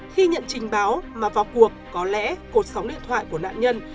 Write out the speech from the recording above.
khi nhận trình báo mà vào cuộc có lẽ cột sóng điện thoại của nạn nhân